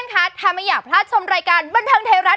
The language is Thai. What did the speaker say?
และใดไม่มีใครนั้นหญิงอยู่